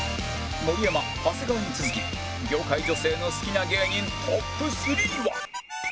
盛山長谷川に続き業界女性の好きな芸人トップ３は？